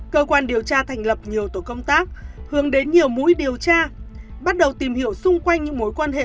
cơ quan điều tra thành lập nhiều tổ công tác hướng đến nhiều mũi điều tra bắt đầu tìm hiểu xung quanh những mối quan hệ